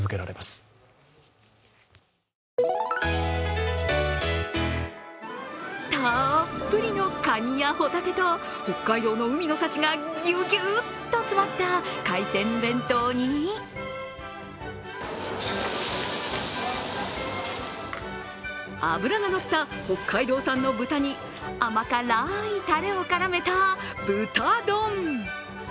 たっぷりのかにやホタテと北海道の海の幸がギュギューっと詰まった海鮮弁当に脂がのった北海道産の豚に甘辛いたれを絡めた豚丼。